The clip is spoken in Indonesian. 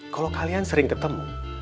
kalau kalian sering ketemu